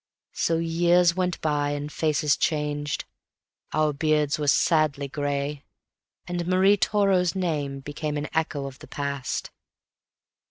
So years went by, and faces changed; our beards were sadly gray, And Marie Toro's name became an echo of the past.